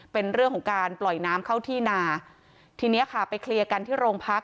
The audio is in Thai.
เป็นเรื่องของการปล่อยน้ำเข้าที่นาทีเนี้ยค่ะไปเคลียร์กันที่โรงพัก